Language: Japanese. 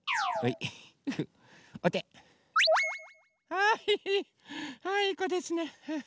いいこですね。